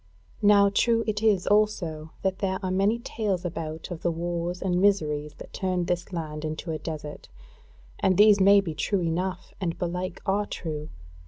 Now true it is also that there are many tales about of the wars and miseries that turned this land into a desert, and these may be true enough, and belike are true.